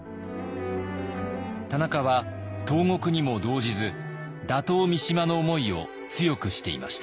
田中は投獄にも動じず打倒三島の思いを強くしていました。